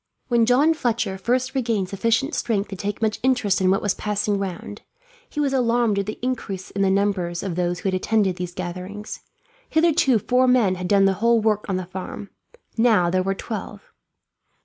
When John Fletcher first regained sufficient strength to take much interest in what was passing round, he was alarmed at the increase in the numbers of those who attended these gatherings. Hitherto four men had done the whole work of the farm; now there were twelve.